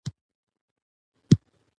اداري بدلون دوام غواړي